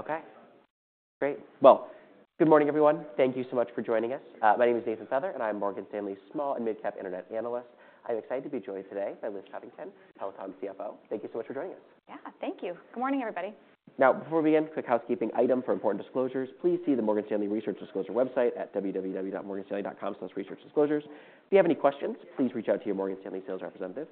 Okay, great. Well, good morning, everyone. Thank you so much for joining us. My name is Nathan Feather, and I'm Morgan Stanley's Small and Mid-Cap Internet Analyst. I'm excited to be joined today by Liz Coddington, Peloton CFO. Thank you so much for joining us. Yeah, thank you. Good morning, everybody. Now, before we begin, quick housekeeping item for important disclosures. Please see the Morgan Stanley Research Disclosure website at www.morganstanley.com/researchdisclosures. If you have any questions, please reach out to your Morgan Stanley sales representative.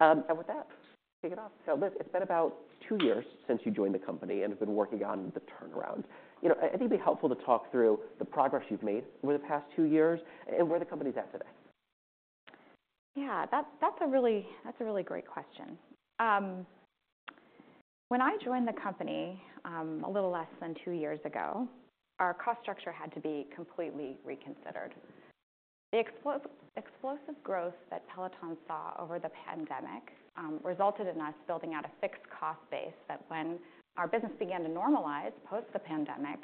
And with that, kick it off. So Liz, it's been about two years since you joined the company and have been working on the turnaround. You know, I think it'd be helpful to talk through the progress you've made over the past two years and where the company's at today. Yeah, that's a really great question. When I joined the company a little less than two years ago, our cost structure had to be completely reconsidered. The explosive growth that Peloton saw over the pandemic resulted in us building out a fixed cost base that when our business began to normalize post the pandemic,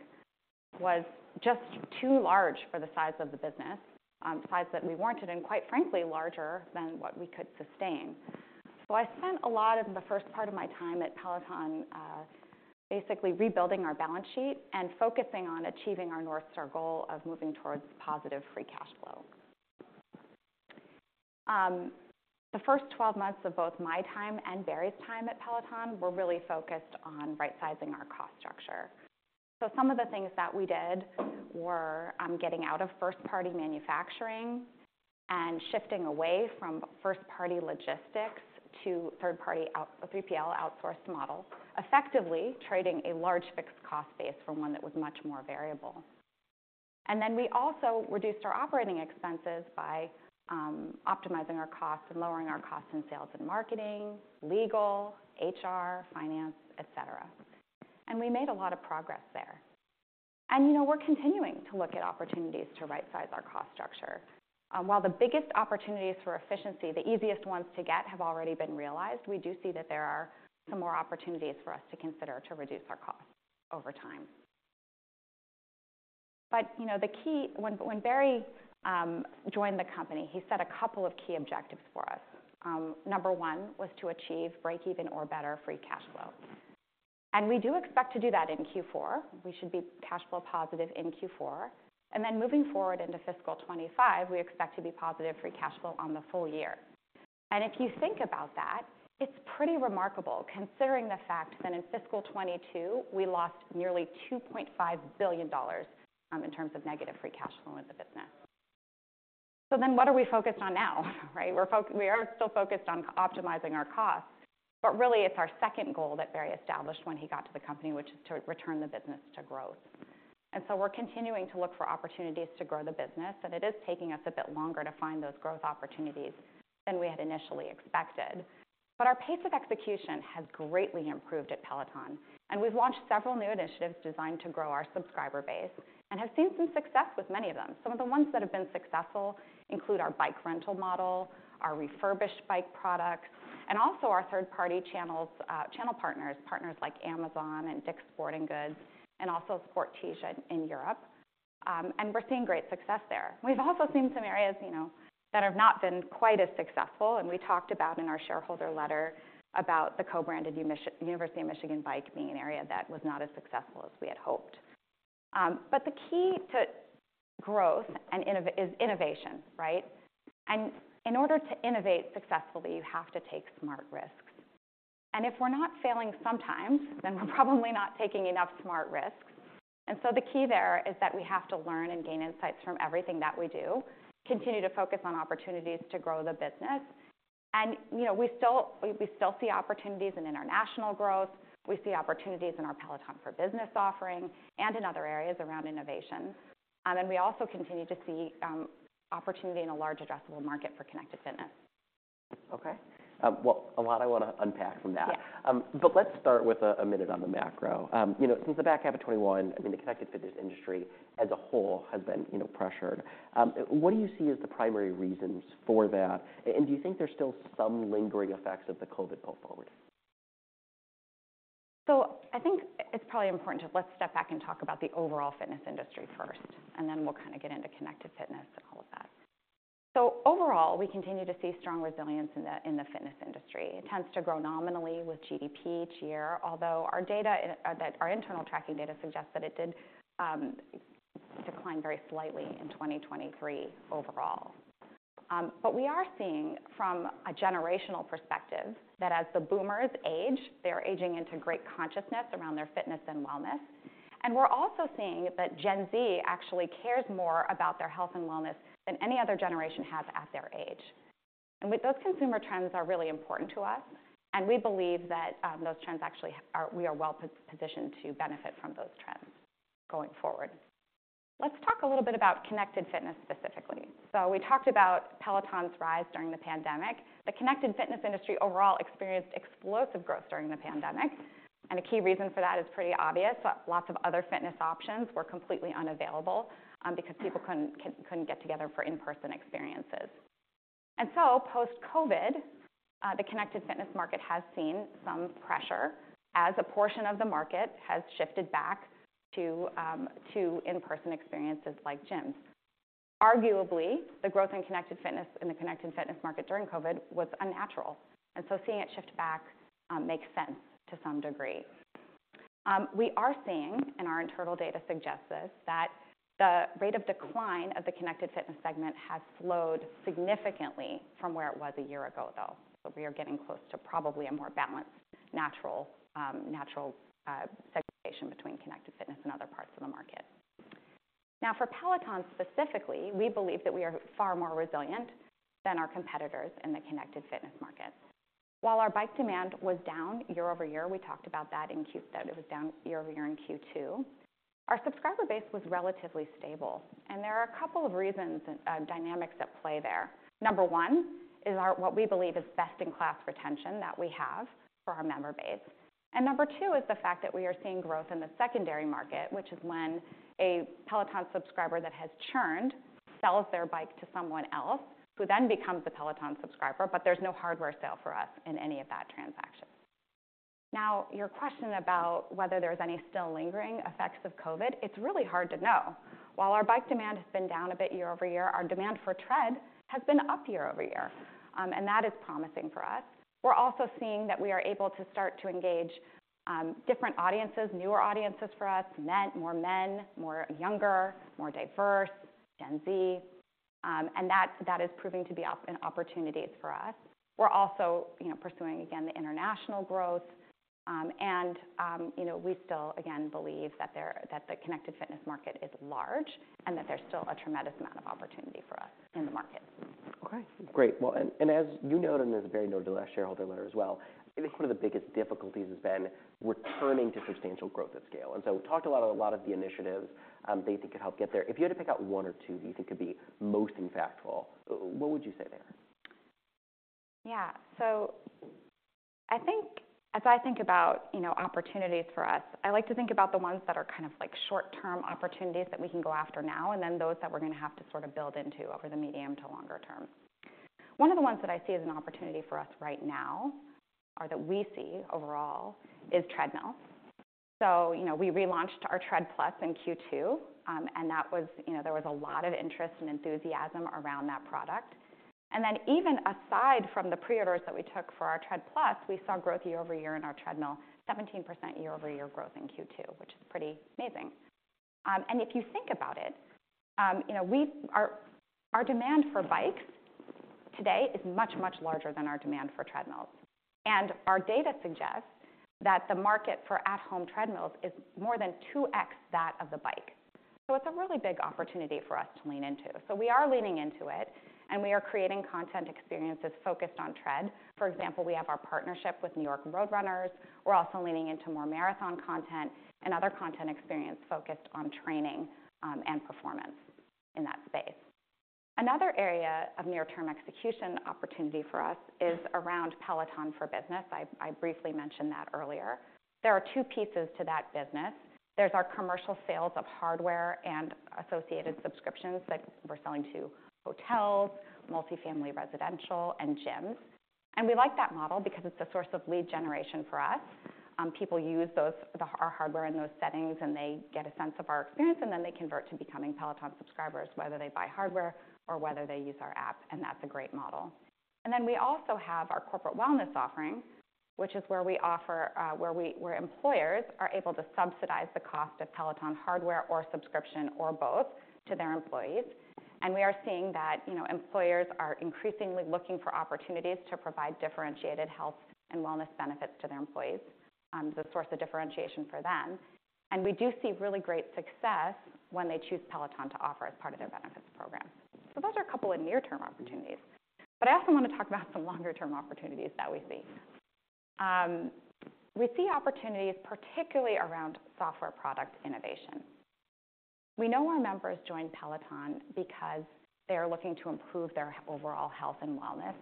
was just too large for the size of the business, the size that we warranted, and quite frankly, larger than what we could sustain. So I spent a lot of the first part of my time at Peloton, basically rebuilding our balance sheet and focusing on achieving our North Star goal of moving towards positive free cash flow. The first 12 months of both my time and Barry's time at Peloton were really focused on rightsizing our cost structure. Some of the things that we did were, getting out of first-party manufacturing and shifting away from first-party logistics to third-party outsourced 3PL model, effectively trading a large fixed cost base for one that was much more variable. And then we also reduced our operating expenses by, optimizing our costs and lowering our costs in sales and marketing, legal, HR, finance, et cetera. And we made a lot of progress there. And, you know, we're continuing to look at opportunities to rightsize our cost structure. While the biggest opportunities for efficiency, the easiest ones to get, have already been realized, we do see that there are some more opportunities for us to consider to reduce our costs over time. But, you know, the key... When Barry joined the company, he set a couple of key objectives for us. Number one, was to achieve breakeven or better free cash flow. We do expect to do that in Q4. We should be cash flow positive in Q4, and then moving forward into fiscal 2025, we expect to be positive free cash flow on the full year. If you think about that, it's pretty remarkable, considering the fact that in fiscal 2022, we lost nearly $2.5 billion in terms of negative free cash flow in the business. So then what are we focused on now, right? We are still focused on optimizing our costs, but really, it's our second goal that Barry established when he got to the company, which is to return the business to growth. And so we're continuing to look for opportunities to grow the business, and it is taking us a bit longer to find those growth opportunities than we had initially expected. But our pace of execution has greatly improved at Peloton, and we've launched several new initiatives designed to grow our subscriber base and have seen some success with many of them. Some of the ones that have been successful include our bike rental model, our refurbished bike products, and also our third-party channels, channel partners, partners like Amazon and DICK'S Sporting Goods, and also Sport-Tiedje in Europe. And we're seeing great success there. We've also seen some areas, you know, that have not been quite as successful, and we talked about in our shareholder letter about the co-branded University of Michigan bike being an area that was not as successful as we had hoped. But the key to growth and innovation is innovation, right? In order to innovate successfully, you have to take smart risks. If we're not failing sometimes, then we're probably not taking enough smart risks. So the key there is that we have to learn and gain insights from everything that we do, continue to focus on opportunities to grow the business. You know, we still see opportunities in international growth. We see opportunities in our Peloton for Business offerings and in other areas around innovation. We also continue to see opportunity in a large addressable market for Connected Fitness. Okay. Well, a lot I want to unpack from that. Yeah. But let's start with a minute on the macro. You know, since the back half of 2021, I mean, the Connected Fitness industry as a whole has been, you know, pressured. What do you see as the primary reasons for that, and do you think there's still some lingering effects of the COVID going forward? So I think it's probably important to let's step back and talk about the overall fitness industry first, and then we'll kind of get into Connected Fitness and all of that. So overall, we continue to see strong resilience in the fitness industry. It tends to grow nominally with GDP each year, although our data and that our internal tracking data suggests that it did decline very slightly in 2023 overall. But we are seeing from a generational perspective, that as the boomers age, they're aging into great consciousness around their fitness and wellness. And we're also seeing that Gen Z actually cares more about their health and wellness than any other generation has at their age. With those consumer trends are really important to us, and we believe that those trends actually are we are well positioned to benefit from those trends going forward. Let's talk a little bit about Connected Fitness specifically. So we talked about Peloton's rise during the pandemic. The Connected Fitness industry overall experienced explosive growth during the pandemic, and a key reason for that is pretty obvious. Lots of other fitness options were completely unavailable because people couldn't get together for in-person experiences. And so post-COVID, the Connected Fitness market has seen some pressure as a portion of the market has shifted back to in-person experiences like gyms. Arguably, the growth in Connected Fitness in the Connected Fitness market during COVID was unnatural, and so seeing it shift back makes sense to some degree. We are seeing, and our internal data suggests this, that the rate of decline of the Connected Fitness segment has slowed significantly from where it was a year ago, though. We are getting close to probably a more balanced, natural segmentation between Connected Fitness and other parts of the market. Now, for Peloton specifically, we believe that we are far more resilient than our competitors in the Connected Fitness market. While our bike demand was down year-over-year, we talked about that in Q2, that it was down year-over-year in Q2, our subscriber base was relatively stable, and there are a couple of reasons, dynamics at play there. Number one is our, what we believe is best-in-class retention that we have for our member base. And number two is the fact that we are seeing growth in the secondary market, which is when a Peloton subscriber that has churned sells their bike to someone else, who then becomes a Peloton subscriber, but there's no hardware sale for us in any of that transaction. Now, your question about whether there's any still lingering effects of COVID, it's really hard to know. While our bike demand has been down a bit year-over-year, our demand for tread has been up year-over-year, and that is promising for us. We're also seeing that we are able to start to engage different audiences, newer audiences for us, men, more men, more younger, more diverse, Gen Z, and that, that is proving to be an opportunity for us. We're also, you know, pursuing, again, the international growth. You know, we still, again, believe that the Connected Fitness market is large, and that there's still a tremendous amount of opportunity for us in the market. Okay, great. Well, as you noted, and as Barry noted in the last shareholder letter as well, I think one of the biggest difficulties has been returning to substantial growth at scale. And so we talked a lot about a lot of the initiatives that you think could help get there. If you had to pick out one or two that you think could be most impactful, what would you say there? Yeah. So I think as I think about, you know, opportunities for us, I like to think about the ones that are kind of like short-term opportunities that we can go after now, and then those that we're going to have to sort of build into over the medium to longer term. One of the ones that I see as an opportunity for us right now, or that we see overall, is treadmills. So, you know, we relaunched our Tread+ in Q2, and that was. You know, there was a lot of interest and enthusiasm around that product. And then, even aside from the pre-orders that we took for our Tread+, we saw growth year-over-year in our treadmill, 17% year-over-year growth in Q2, which is pretty amazing. And if you think about it, you know, our demand for bikes today is much, much larger than our demand for treadmills. And our data suggests that the market for at-home treadmills is more than 2x that of the bike. So it's a really big opportunity for us to lean into. So we are leaning into it, and we are creating content experiences focused on tread. For example, we have our partnership with New York Road Runners. We're also leaning into more marathon content and other content experience focused on training, and performance in that space. Another area of near-term execution opportunity for us is around Peloton for Business. I briefly mentioned that earlier. There are two pieces to that business. There's our commercial sales of hardware and associated subscriptions that we're selling to hotels, multifamily, residential, and gyms. We like that model because it's a source of lead generation for us. People use those, our hardware in those settings, and they get a sense of our experience, and then they convert to becoming Peloton subscribers, whether they buy hardware or whether they use our app, and that's a great model. Then we also have our corporate wellness offering, which is where we offer where employers are able to subsidize the cost of Peloton hardware or subscription or both to their employees. We are seeing that, you know, employers are increasingly looking for opportunities to provide differentiated health and wellness benefits to their employees, the source of differentiation for them. We do see really great success when they choose Peloton to offer as part of their benefits program. So those are a couple of near-term opportunities. But I also want to talk about some longer-term opportunities that we see. We see opportunities, particularly around software product innovation. We know our members join Peloton because they are looking to improve their overall health and wellness,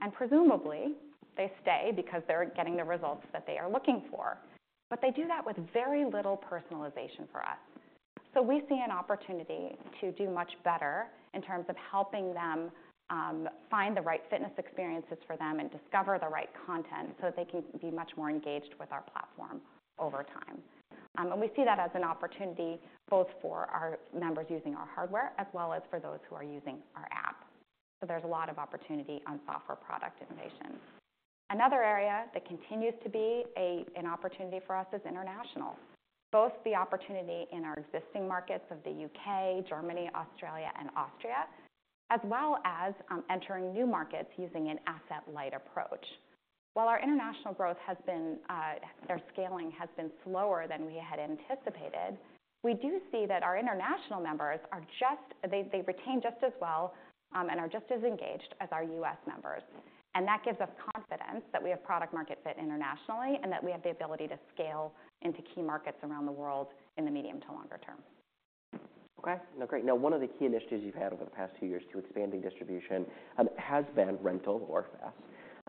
and presumably, they stay because they're getting the results that they are looking for. But they do that with very little personalization from us. So we see an opportunity to do much better in terms of helping them find the right fitness experiences for them and discover the right content, so they can be much more engaged with our platform over time. And we see that as an opportunity both for our members using our hardware, as well as for those who are using our app. So there's a lot of opportunity on software product innovation. Another area that continues to be an opportunity for us is international. Both the opportunity in our existing markets of the U.K., Germany, Australia and Austria, as well as entering new markets using an asset-light approach. While our international growth has been or scaling has been slower than we had anticipated, we do see that our international members just retain just as well and are just as engaged as our U.S. members. And that gives us confidence that we have product market fit internationally, and that we have the ability to scale into key markets around the world in the medium to longer term. Okay, great. Now, one of the key initiatives you've had over the past two years to expanding distribution has been rental or FaaS.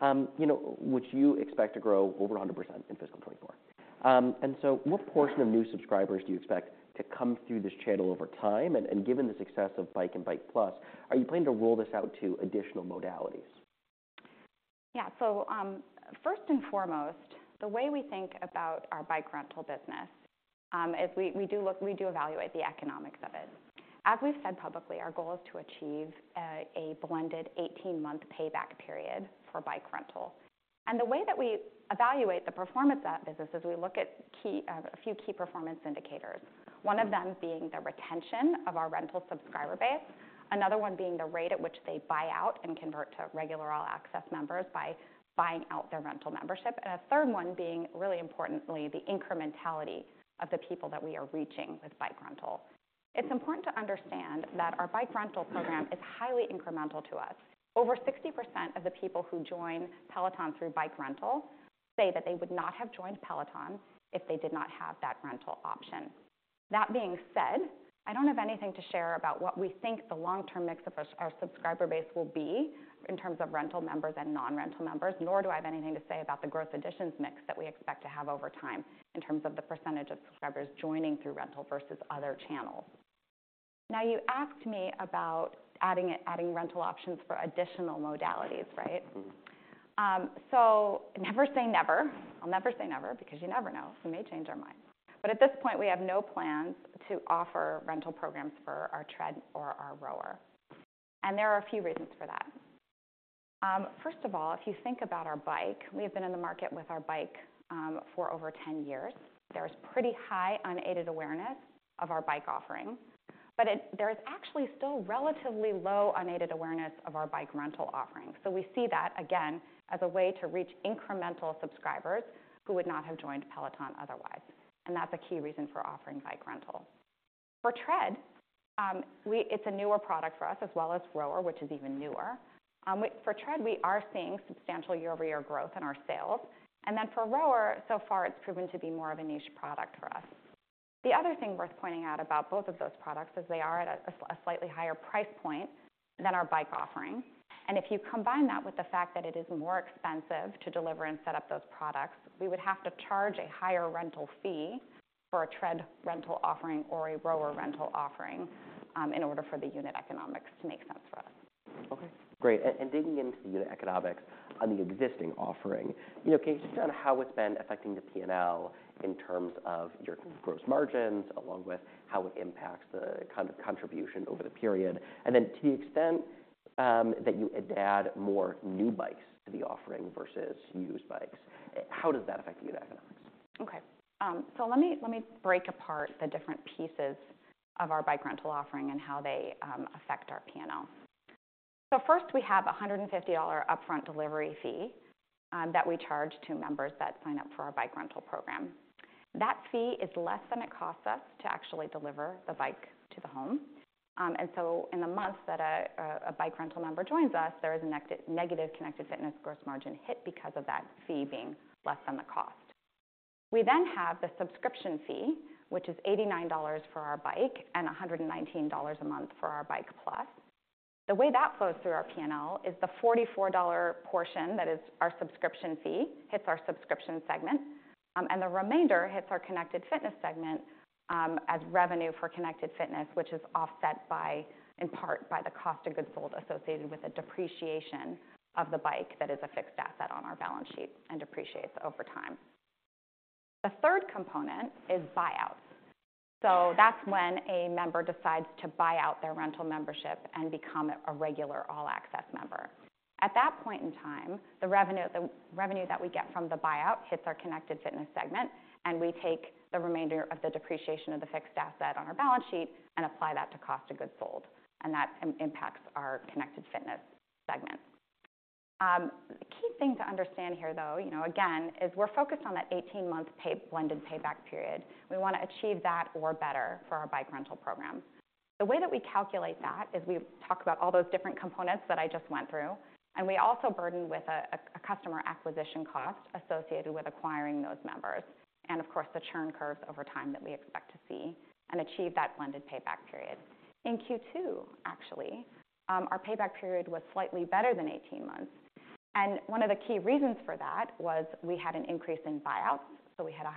You know, which you expect to grow over 100% in fiscal 2024. And so what portion of new subscribers do you expect to come through this channel over time? And given the success of Bike and Bike+, are you planning to roll this out to additional modalities?... Yeah. So, first and foremost, the way we think about our bike rental business, is we, we do look, we do evaluate the economics of it. As we've said publicly, our goal is to achieve, a blended 18-month payback period for bike rental. And the way that we evaluate the performance of that business is we look at key, a few key performance indicators. One of them being the retention of our rental subscriber base, another one being the rate at which they buy out and convert to regular All-Access members by buying out their rental membership, and a third one being, really importantly, the incrementality of the people that we are reaching with bike rental. It's important to understand that our bike rental program is highly incremental to us. Over 60% of the people who join Peloton through bike rental say that they would not have joined Peloton if they did not have that rental option. That being said, I don't have anything to share about what we think the long-term mix of our subscriber base will be in terms of rental members and non-rental members, nor do I have anything to say about the growth additions mix that we expect to have over time in terms of the percentage of subscribers joining through rental versus other channels. Now, you asked me about adding, adding rental options for additional modalities, right? Mm-hmm. So never say never. I'll never say never, because you never know, we may change our mind. But at this point, we have no plans to offer rental programs for our tread or our rower, and there are a few reasons for that. First of all, if you think about our bike, we have been in the market with our bike, for over 10 years. There's pretty high unaided awareness of our bike offering, but there is actually still relatively low unaided awareness of our bike rental offering. So we see that, again, as a way to reach incremental subscribers who would not have joined Peloton otherwise, and that's a key reason for offering bike rental. For tread, it's a newer product for us, as well as rower, which is even newer. We for tread, we are seeing substantial year-over-year growth in our sales, and then for rower, so far it's proven to be more of a niche product for us. The other thing worth pointing out about both of those products is they are at a slightly higher price point than our bike offering. And if you combine that with the fact that it is more expensive to deliver and set up those products, we would have to charge a higher rental fee for a tread rental offering or a rower rental offering in order for the unit economics to make sense for us. Okay, great. And digging into the unit economics on the existing offering, you know, can you touch on how it's been affecting the P&L in terms of your gross margins, along with how it impacts the kind of contribution over the period? And then to the extent that you add more new bikes to the offering versus used bikes, how does that affect the unit economics? Okay. So let me break apart the different pieces of our bike rental offering and how they affect our P&L. First, we have a $150 upfront delivery fee that we charge to members that sign up for our bike rental program. That fee is less than it costs us to actually deliver the bike to the home. And so in the months that a bike rental member joins us, there is a negative Connected Fitness gross margin hit because of that fee being less than the cost. We then have the subscription fee, which is $89 for our bike and $119 a month for our Bike+. The way that flows through our P&L is the $44 portion that is our subscription fee, hits our subscription segment, and the remainder hits our Connected Fitness segment, as revenue for Connected Fitness, which is offset by, in part, by the cost of goods sold associated with the depreciation of the bike that is a fixed asset on our balance sheet and depreciates over time. The third component is buyouts. So that's when a member decides to buy out their rental membership and become a regular All-Access member. At that point in time, the revenue, the revenue that we get from the buyout hits our Connected Fitness segment, and we take the remainder of the depreciation of the fixed asset on our balance sheet and apply that to cost of goods sold, and that impacts our Connected Fitness segment. The key thing to understand here, though, you know, again, is we're focused on that 18-month payback blended payback period. We want to achieve that or better for our bike rental program. The way that we calculate that is we talk about all those different components that I just went through, and we also burden with a customer acquisition cost associated with acquiring those members, and of course, the churn curves over time that we expect to see and achieve that blended payback period. In Q2, actually, our payback period was slightly better than 18 months, and one of the key reasons for that was we had an increase in buyouts, so we had a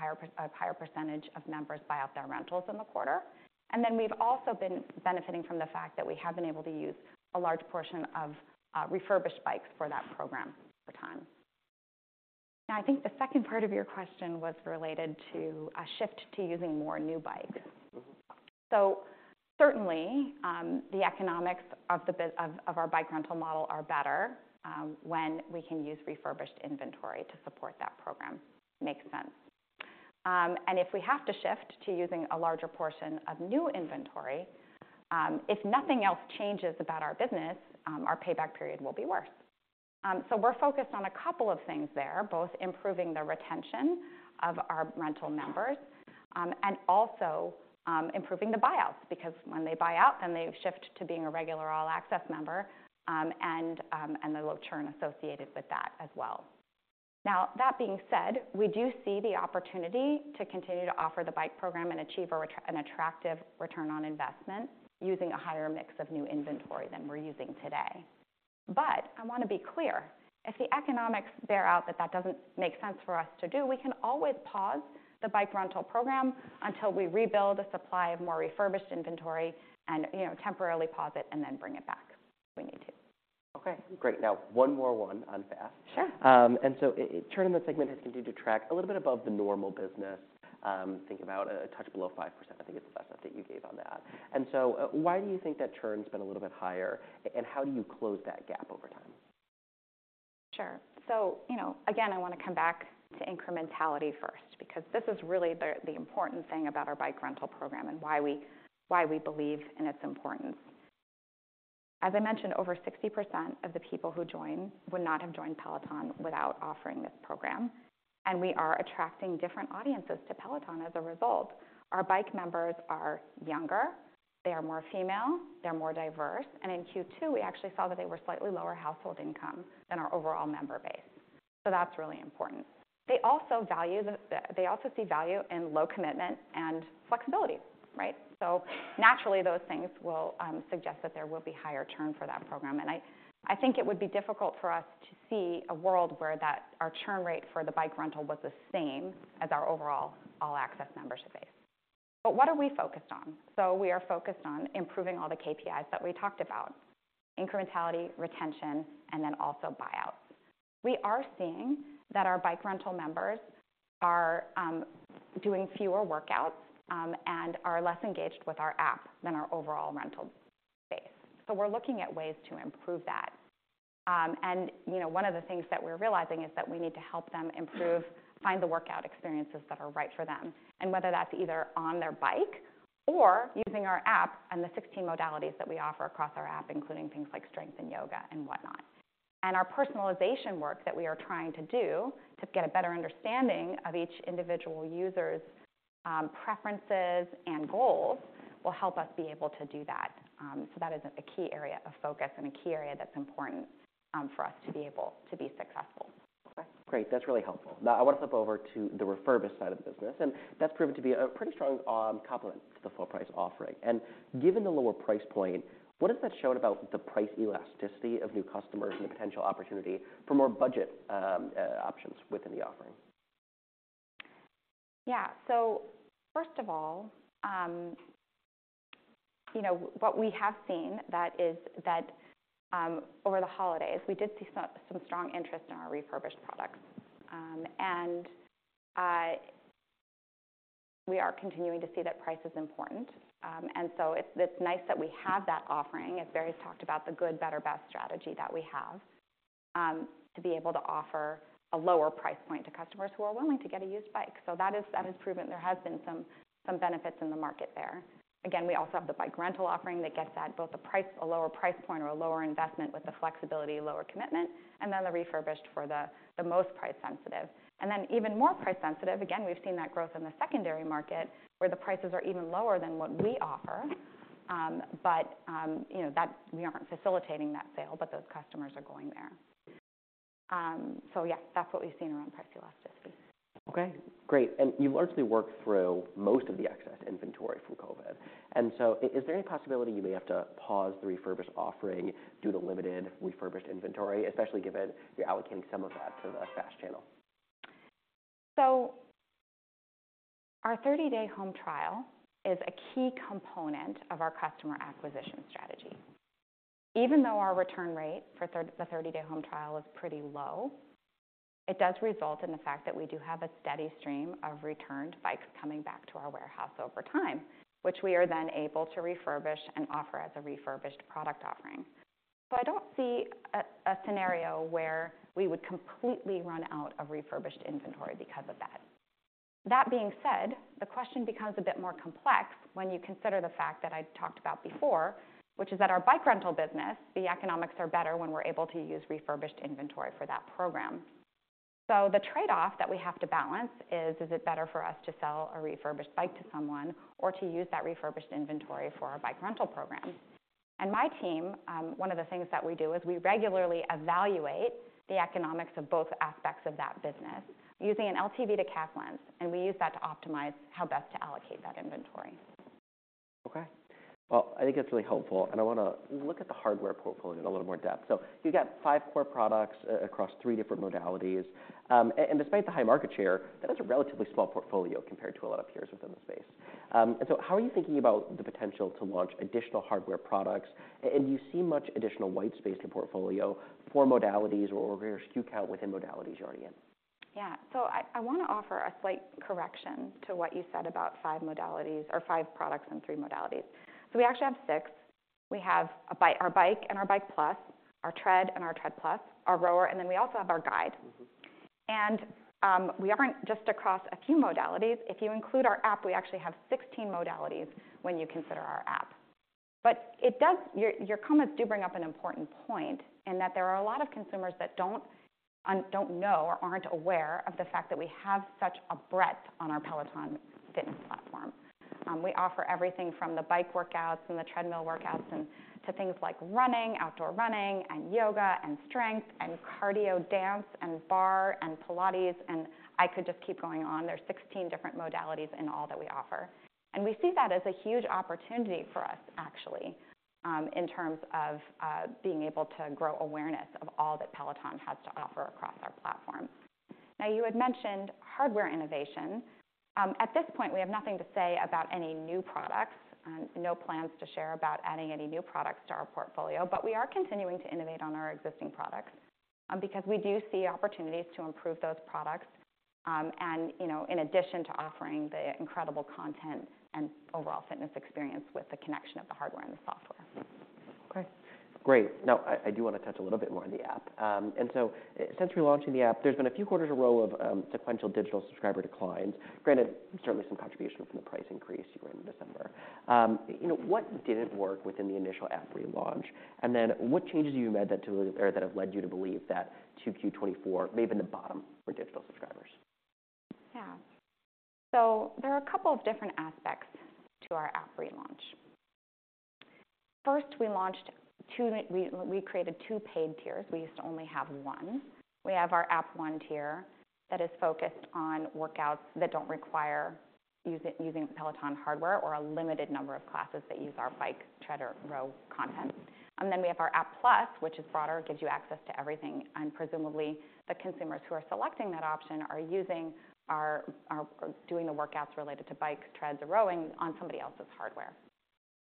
higher percentage of members buy out their rentals in the quarter. And then we've also been benefiting from the fact that we have been able to use a large portion of refurbished bikes for that program over time. Now, I think the second part of your question was related to a shift to using more new bikes. Mm-hmm. So certainly, the economics of the bike rental model are better when we can use refurbished inventory to support that program. Makes sense. And if we have to shift to using a larger portion of new inventory, if nothing else changes about our business, our payback period will be worse. So we're focused on a couple of things there, both improving the retention of our rental members, and also improving the buyouts, because when they buy out, then they shift to being a regular All-Access member, and the low churn associated with that as well. Now, that being said, we do see the opportunity to continue to offer the bike program and achieve an attractive return on investment using a higher mix of new inventory than we're using today. But I want to be clear, if the economics bear out that that doesn't make sense for us to do, we can always pause the bike rental program until we rebuild a supply of more refurbished inventory and, you know, temporarily pause it and then bring it back if we need to. Okay, great. Now, one more one on FaaS. Sure. And so churn in the segment has continued to track a little bit above the normal business, think about a touch below 5%. I think it's the last update you gave on that. And so, why do you think that churn's been a little bit higher, and how do you close that gap over time? Sure. So, you know, again, I want to come back to incrementality first, because this is really the important thing about our bike rental program and why we believe in its importance. As I mentioned, over 60% of the people who join would not have joined Peloton without offering this program, and we are attracting different audiences to Peloton as a result. Our bike members are younger, they are more female, they're more diverse, and in Q2, we actually saw that they were slightly lower household income than our overall member base. So that's really important. They also see value in low commitment and flexibility, right? So naturally, those things will suggest that there will be higher churn for that program. I think it would be difficult for us to see a world where that our churn rate for the bike rental was the same as our overall All-Access Membership base. But what are we focused on? So we are focused on improving all the KPIs that we talked about: incrementality, retention, and then also buyouts. We are seeing that our bike rental members are doing fewer workouts and are less engaged with our app than our overall rental base. So we're looking at ways to improve that. And, you know, one of the things that we're realizing is that we need to help them improve, find the workout experiences that are right for them, and whether that's either on their bike or using our app and the 16 modalities that we offer across our app, including things like strength and yoga and whatnot. Our personalization work that we are trying to do to get a better understanding of each individual user's preferences and goals will help us be able to do that. That is a key area of focus and a key area that's important for us to be able to be successful. Okay, great. That's really helpful. Now, I want to flip over to the refurbished side of the business, and that's proven to be a pretty strong complement to the full price offering. Given the lower price point, what has that shown about the price elasticity of new customers and the potential opportunity for more budget options within the offering? Yeah. So first of all, you know, what we have seen that is that over the holidays, we did see some strong interest in our refurbished products. And we are continuing to see that price is important. And so it's nice that we have that offering, as Barry's talked about, the good, better, best strategy that we have to be able to offer a lower price point to customers who are willing to get a used bike. So that is, that has proven there has been some benefits in the market there. Again, we also have the bike rental offering that gets at both the price, a lower price point or a lower investment with the flexibility, lower commitment, and then the refurbished for the most price sensitive. And then even more price sensitive, again, we've seen that growth in the secondary market, where the prices are even lower than what we offer. But you know, that we aren't facilitating that sale, but those customers are going there. So yeah, that's what we've seen around price elasticity. Okay, great. And you've largely worked through most of the excess inventory from COVID. And so is there any possibility you may have to pause the refurbished offering due to limited refurbished inventory, especially given you're allocating some of that to the FaaS channel? So our 30-day home trial is a key component of our customer acquisition strategy. Even though our return rate for the 30-day home trial is pretty low, it does result in the fact that we do have a steady stream of returned bikes coming back to our warehouse over time, which we are then able to refurbish and offer as a refurbished product offering. So I don't see a scenario where we would completely run out of refurbished inventory because of that. That being said, the question becomes a bit more complex when you consider the fact that I talked about before, which is that our bike rental business, the economics are better when we're able to use refurbished inventory for that program. The trade-off that we have to balance is: Is it better for us to sell a refurbished bike to someone or to use that refurbished inventory for our bike rental program? My team, one of the things that we do is we regularly evaluate the economics of both aspects of that business using an LTV to CAC lens, and we use that to optimize how best to allocate that inventory. Okay. Well, I think it's really helpful, and I want to look at the hardware portfolio in a little more depth. So you got five core products across three different modalities. Despite the high market share, that is a relatively small portfolio compared to a lot of peers within the space. So how are you thinking about the potential to launch additional hardware products? Do you see much additional white space in your portfolio for modalities or, or SKU count within modalities you're already in? Yeah. So I wanna offer a slight correction to what you said about five modalities or five products and three modalities. So we actually have six. We have a Bike, our Bike and our Bike+, our Tread and our Tread+, our rower, and then we also have our Guide. Mm-hmm. We aren't just across a few modalities. If you include our app, we actually have 16 modalities when you consider our app. But it does. Your comments do bring up an important point, in that there are a lot of consumers that don't know or aren't aware of the fact that we have such a breadth on our Peloton fitness platform. We offer everything from the bike workouts and the treadmill workouts and to things like running, outdoor running, and yoga, and strength, and cardio dance, and barre, and Pilates, and I could just keep going on. There are 16 different modalities in all that we offer. And we see that as a huge opportunity for us, actually, in terms of being able to grow awareness of all that Peloton has to offer across our platform.... Now, you had mentioned hardware innovation. At this point, we have nothing to say about any new products, no plans to share about adding any new products to our portfolio, but we are continuing to innovate on our existing products, because we do see opportunities to improve those products, and, you know, in addition to offering the incredible content and overall fitness experience with the connection of the hardware and the software. Okay, great. Now, I do want to touch a little bit more on the app. And so since relaunching the app, there's been a few quarters of row of sequential digital subscriber declines. Granted, certainly some contribution from the price increase you ran in December. You know, what didn't work within the initial app relaunch? And then what changes have you made that to, or that have led you to believe that 2Q 2024 may have been the bottom for digital subscribers? Yeah. So there are a couple of different aspects to our app relaunch. First, we launched two... We created two paid tiers. We used to only have one. We have our App One tier that is focused on workouts that don't require using Peloton hardware or a limited number of classes that use our bike, tread, or row content. And then we have our App+, which is broader, gives you access to everything, and presumably the consumers who are selecting that option are doing the workouts related to bike, treads, or rowing on somebody else's hardware.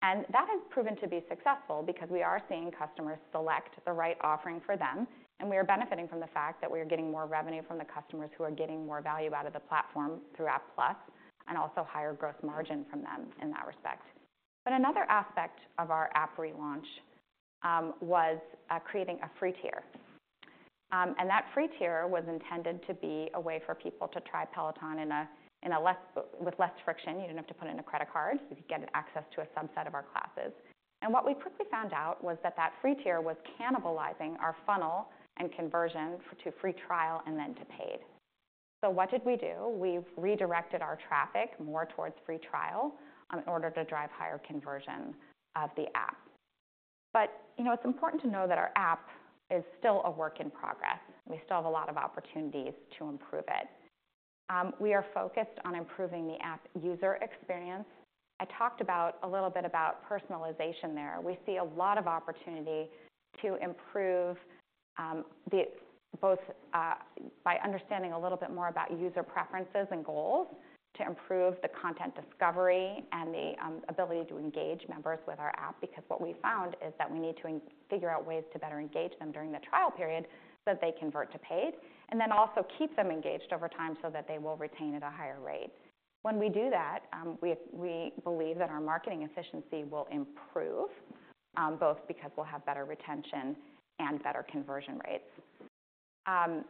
That has proven to be successful because we are seeing customers select the right offering for them, and we are benefiting from the fact that we are getting more revenue from the customers who are getting more value out of the platform through App+, and also higher gross margin from them in that respect. But another aspect of our app relaunch was creating a free tier. And that free tier was intended to be a way for people to try Peloton with less friction. You didn't have to put in a credit card; you could get access to a subset of our classes. And what we quickly found out was that that free tier was cannibalizing our funnel and conversion to free trial and then to paid. So what did we do? We've redirected our traffic more towards free trial in order to drive higher conversion of the app. But, you know, it's important to know that our app is still a work in progress. We still have a lot of opportunities to improve it. We are focused on improving the app user experience. I talked about, a little bit about personalization there. We see a lot of opportunity to improve the both by understanding a little bit more about user preferences and goals, to improve the content discovery and the ability to engage members with our app, because what we found is that we need to figure out ways to better engage them during the trial period, so that they convert to paid, and then also keep them engaged over time so that they will retain at a higher rate. When we do that, we believe that our marketing efficiency will improve, both because we'll have better retention and better conversion rates.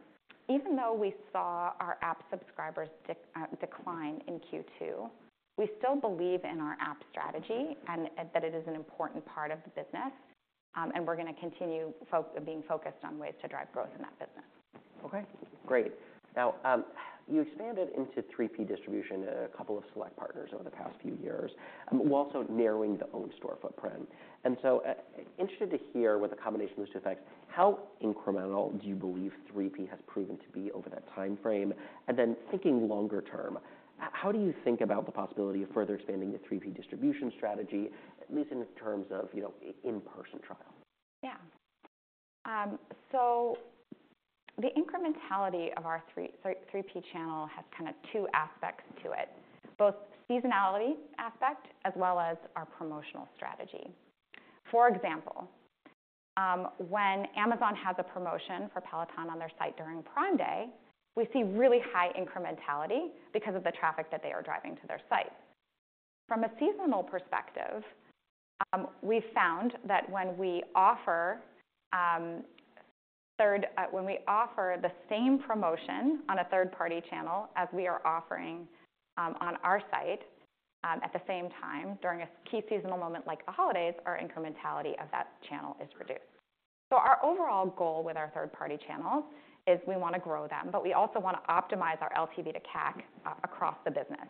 Even though we saw our app subscribers decline in Q2, we still believe in our app strategy and that it is an important part of the business. And we're gonna continue being focused on ways to drive growth in that business. Okay, great. Now, you expanded into third-party distribution in a couple of select partners over the past few years, while also narrowing the own store footprint. And so, interested to hear with the combination of those two effects, how incremental do you believe third-party has proven to be over that time frame? And then thinking longer term, how do you think about the possibility of further expanding the third-party distribution strategy, at least in terms of, you know, in-person trial? Yeah. So the incrementality of our 3P channel has kind of two aspects to it, both seasonality aspect as well as our promotional strategy. For example, when Amazon has a promotion for Peloton on their site during Prime Day, we see really high incrementality because of the traffic that they are driving to their site. From a seasonal perspective, we found that when we offer the same promotion on a third-party channel as we are offering on our site at the same time during a key seasonal moment like the holidays, our incrementality of that channel is reduced. So our overall goal with our third-party channels is we want to grow them, but we also want to optimize our LTV to CAC across the business.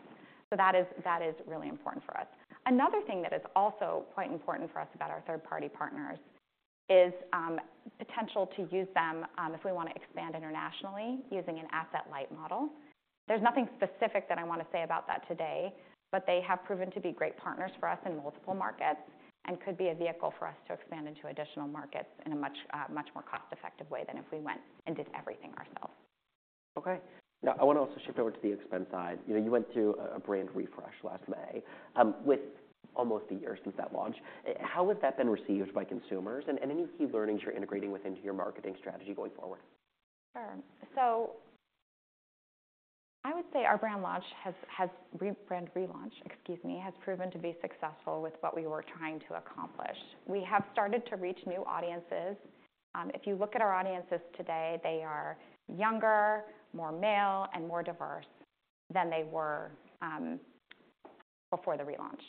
So that is really important for us. Another thing that is also quite important for us about our third-party partners is potential to use them if we want to expand internationally using an asset-light model. There's nothing specific that I want to say about that today, but they have proven to be great partners for us in multiple markets and could be a vehicle for us to expand into additional markets in a much more cost-effective way than if we went and did everything ourselves. Okay. Now, I want to also shift over to the expense side. You know, you went through a brand refresh last May. With almost a year since that launch, how has that been received by consumers? And any key learnings you're integrating within your marketing strategy going forward? Sure. So I would say our brand relaunch, excuse me, has proven to be successful with what we were trying to accomplish. We have started to reach new audiences. If you look at our audiences today, they are younger, more male, and more diverse than they were before the relaunch.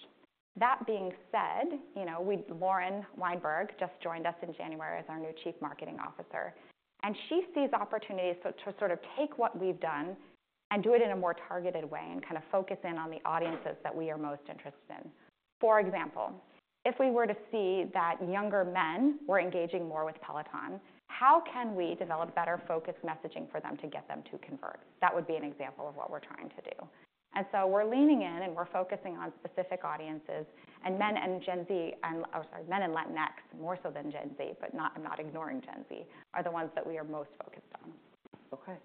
That being said, you know, Lauren Weinberg just joined us in January as our new Chief Marketing Officer, and she sees opportunities to sort of take what we've done and do it in a more targeted way and kind of focus in on the audiences that we are most interested in. For example, if we were to see that younger men were engaging more with Peloton, how can we develop better focused messaging for them to get them to convert? That would be an example of what we're trying to do. And so we're leaning in, and we're focusing on specific audiences, and men and Gen Z, and, sorry, men and Latinx, more so than Gen Z, but not, I'm not ignoring Gen Z, are the ones that we are most focused on.... Okay.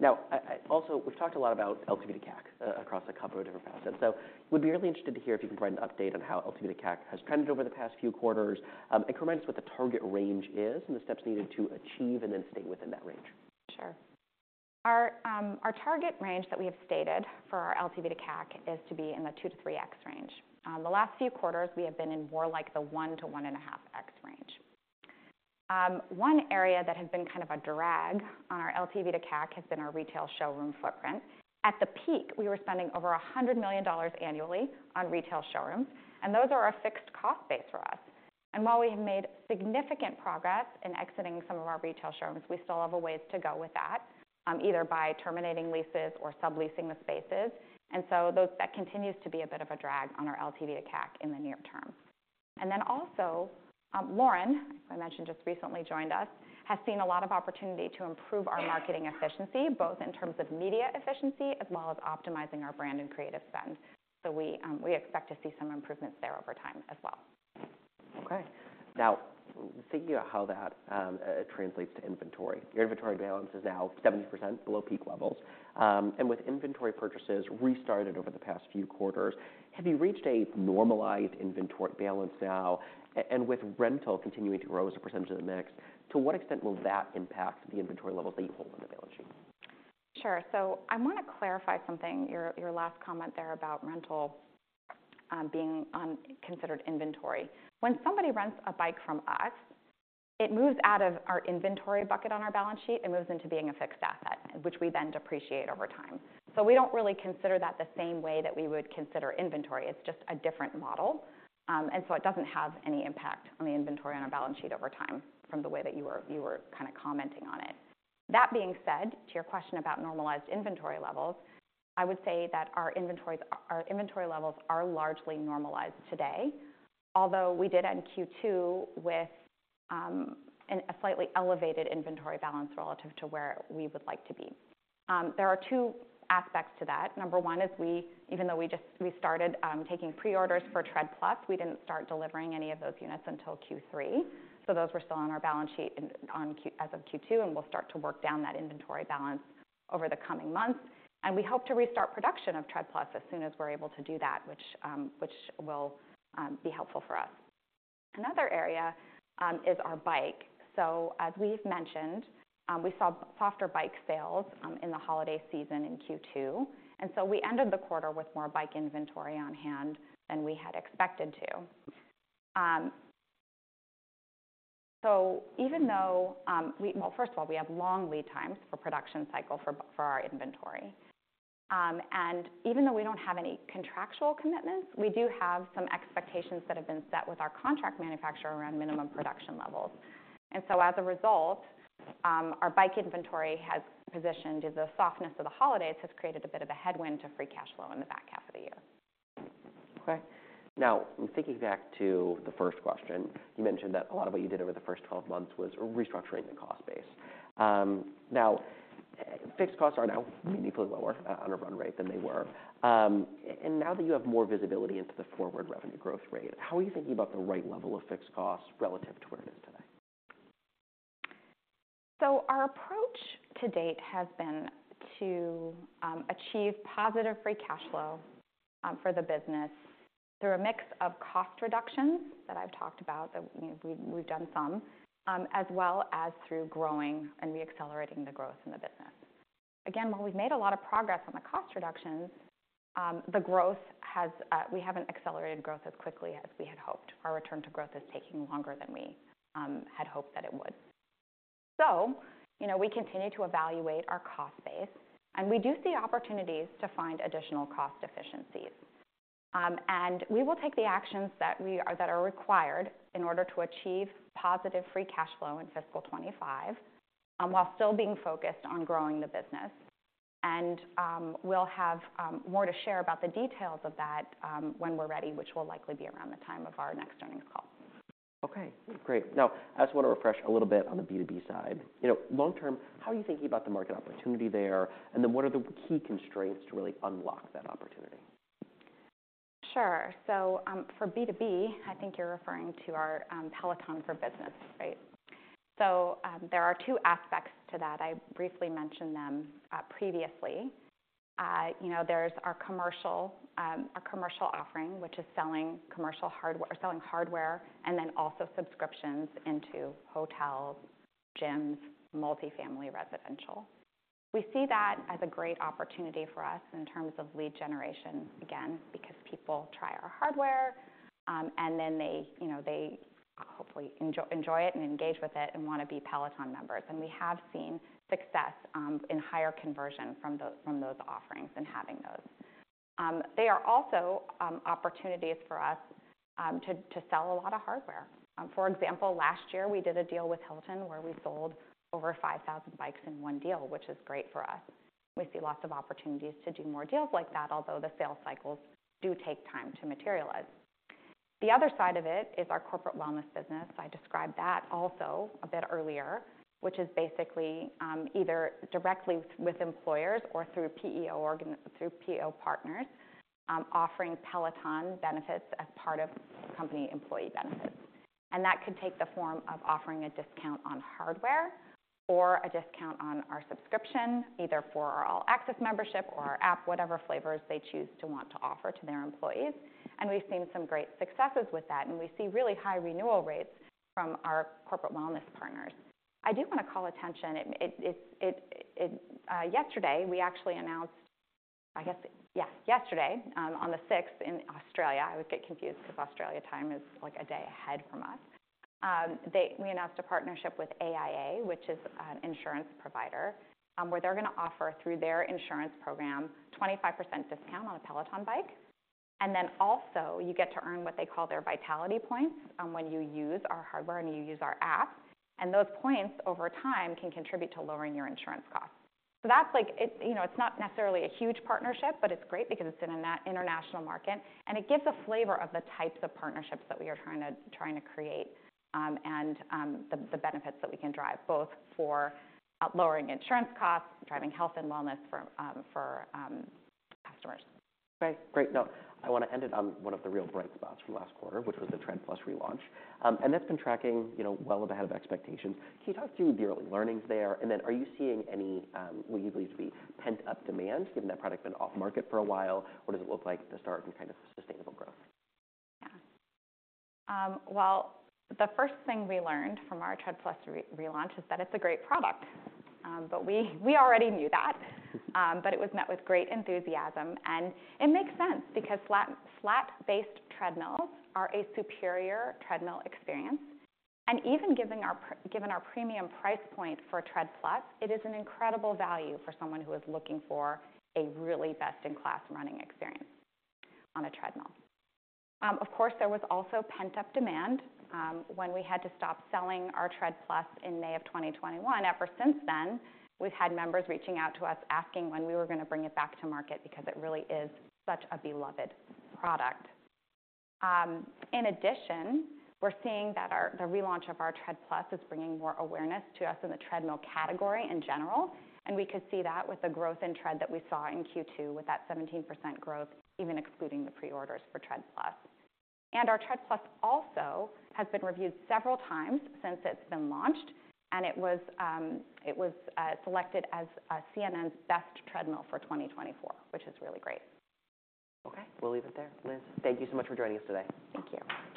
Now, I also, we've talked a lot about LTV to CAC across a couple of different facets. So we'd be really interested to hear if you can provide an update on how LTV to CAC has trended over the past few quarters, and comment what the target range is and the steps needed to achieve and then stay within that range. Sure. Our, our target range that we have stated for our LTV to CAC is to be in the 2-3x range. The last few quarters, we have been in more like the 1-1.5x range. One area that has been kind of a drag on our LTV to CAC has been our retail showroom footprint. At the peak, we were spending over $100 million annually on retail showrooms, and those are a fixed cost base for us. While we have made significant progress in exiting some of our retail showrooms, we still have a ways to go with that, either by terminating leases or subleasing the spaces. So those, that continues to be a bit of a drag on our LTV to CAC in the near term. And then also, Lauren, who I mentioned just recently joined us, has seen a lot of opportunity to improve our marketing efficiency, both in terms of media efficiency as well as optimizing our brand and creative spend. So we expect to see some improvements there over time as well. Okay. Now, thinking about how that translates to inventory. Your inventory balance is now 70% below peak levels. And with inventory purchases restarted over the past few quarters, have you reached a normalized inventory balance now? And with rental continuing to grow as a percentage of the mix, to what extent will that impact the inventory levels that you hold on the balance sheet? Sure. So I want to clarify something, your last comment there about rental being considered inventory. When somebody rents a bike from us, it moves out of our inventory bucket on our balance sheet. It moves into being a fixed asset, which we then depreciate over time. So we don't really consider that the same way that we would consider inventory. It's just a different model. And so it doesn't have any impact on the inventory on our balance sheet over time from the way that you were kind of commenting on it. That being said, to your question about normalized inventory levels, I would say that our inventories, our inventory levels are largely normalized today. Although we did end Q2 with a slightly elevated inventory balance relative to where we would like to be. There are two aspects to that. Number one is, even though we just started taking pre-orders for Tread+, we didn't start delivering any of those units until Q3, so those were still on our balance sheet as of Q2, and we'll start to work down that inventory balance over the coming months. We hope to restart production of Tread+ as soon as we're able to do that, which will be helpful for us. Another area is our bike. So as we've mentioned, we saw softer bike sales in the holiday season in Q2, and so we ended the quarter with more bike inventory on hand than we had expected to. So even though, well, first of all, we have long lead times for production cycle for our inventory. Even though we don't have any contractual commitments, we do have some expectations that have been set with our contract manufacturer around minimum production levels. So as a result, our bike inventory has positioned as the softness of the holidays, has created a bit of a headwind to free cash flow in the back half of the year. Okay. Now, thinking back to the first question, you mentioned that a lot of what you did over the first 12 months was restructuring the cost base. Now, fixed costs are now meaningfully lower, on a run rate than they were. And now that you have more visibility into the forward revenue growth rate, how are you thinking about the right level of fixed costs relative to where it is today? So our approach to date has been to achieve positive free cash flow for the business through a mix of cost reductions that I've talked about. That, you know, we've done some, as well as through growing and reaccelerating the growth in the business. Again, while we've made a lot of progress on the cost reductions, the growth has, we haven't accelerated growth as quickly as we had hoped. Our return to growth is taking longer than we had hoped that it would. So, you know, we continue to evaluate our cost base, and we do see opportunities to find additional cost efficiencies. And we will take the actions that are required in order to achieve positive free cash flow in fiscal 2025, while still being focused on growing the business. We'll have more to share about the details of that when we're ready, which will likely be around the time of our next earnings call. Okay, great. Now, I just want to refresh a little bit on the B2B side. You know, long term, how are you thinking about the market opportunity there, and then what are the key constraints to really unlock that opportunity? Sure. So, for B2B, I think you're referring to our Peloton for Business, right? So, there are two aspects to that. I briefly mentioned them previously. You know, there's our commercial offering, which is selling commercial hardware and then also subscriptions into hotels, gyms, multifamily residential. We see that as a great opportunity for us in terms of lead generation, again, because people try our hardware, and then they, you know, they hopefully enjoy it and engage with it and want to be Peloton members. And we have seen success in higher conversion from those offerings and having those. They are also opportunities for us to sell a lot of hardware. For example, last year we did a deal with Hilton where we sold over 5,000 bikes in one deal, which is great for us. We see lots of opportunities to do more deals like that, although the sales cycles do take time to materialize. The other side of it is our corporate wellness business. I described that also a bit earlier, which is basically either directly with employers or through PEO partners, offering Peloton benefits as part of company employee benefits, and that could take the form of offering a discount on hardware or a discount on our subscription, either for our All-Access Membership or our app, whatever flavors they choose to want to offer to their employees. And we've seen some great successes with that, and we see really high renewal rates from our corporate wellness partners. I do want to call attention. Yesterday, we actually announced yesterday on the sixth in Australia. I always get confused because Australia time is like a day ahead from us. We announced a partnership with AIA, which is an insurance provider, where they're going to offer, through their insurance program, 25% discount on a Peloton Bike. And then also you get to earn what they call their Vitality points when you use our hardware and you use our app, and those points over time can contribute to lowering your insurance costs. So that's like, it's, you know, it's not necessarily a huge partnership, but it's great because it's in an international market, and it gives a flavor of the types of partnerships that we are trying to create, and the benefits that we can drive, both for lowering insurance costs, driving health and wellness for customers. Okay, great. Now, I want to end it on one of the real bright spots from last quarter, which was the Tread+ relaunch. And that's been tracking, you know, well ahead of expectations. Can you talk through the early learnings there? And then are you seeing any, what you believe to be pent-up demand, given that product has been off market for a while? What does it look like to start with kind of sustainable growth? Yeah. Well, the first thing we learned from our Tread+ relaunch is that it's a great product, but we already knew that. But it was met with great enthusiasm, and it makes sense because flat-based treadmills are a superior treadmill experience. And even given our premium price point for Tread+, it is an incredible value for someone who is looking for a really best-in-class running experience on a treadmill. Of course, there was also pent-up demand when we had to stop selling our Tread+ in May of 2021. Ever since then, we've had members reaching out to us, asking when we were going to bring it back to market because it really is such a beloved product. In addition, we're seeing that our, the relaunch of our Tread+ is bringing more awareness to us in the treadmill category in general, and we could see that with the growth in Tread that we saw in Q2, with that 17% growth, even excluding the pre-orders for Tread+. And our Tread+ also has been reviewed several times since it's been launched, and it was selected as CNN's best treadmill for 2024, which is really great. Okay, we'll leave it there. Liz, thank you so much for joining us today. Thank you.